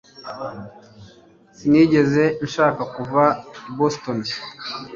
Sinigeze nshaka kuva i Boston